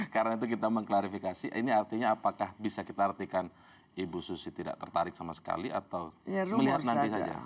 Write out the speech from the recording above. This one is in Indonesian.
karena itu kita mengklarifikasi ini artinya apakah bisa kita artikan ibu susi tidak tertarik sama sekali atau melihat nanti saja